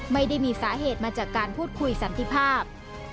ไม่ได้มีสาเหตุมาจากการพูดคุยสันติภาพ